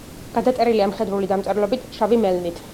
გადაწერილია მხედრული დამწერლობით, შავი მელნით.